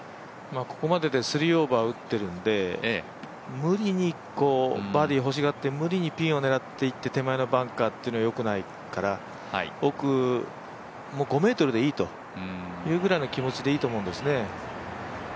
ここまでで３オーバー打ってるんで無理にバーディー欲しがって無理にピンを狙っていって手前のバンカーっていうのはよくないから奥、５ｍでいいというぐらいの気持ちでいいと思うんですね。